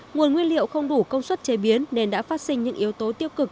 nguồn nguyên liệu không đủ công suất chế biến nên đã phát sinh những yếu tố tiêu cực